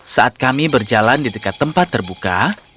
saat kami berjalan di dekat tempat terbuka